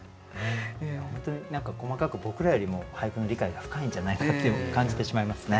何か細かく僕らよりも俳句の理解が深いんじゃないかっていうふうに感じてしまいますね。